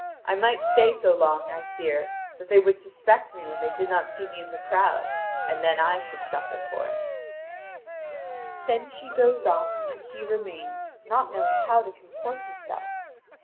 I might stay so long, I fear, that they would suspect me when they did not see me in the crowd, and then I should suffer for it." (Vv. 1339 1506.) Then she goes off, and he remains, not knowing how to comport himself.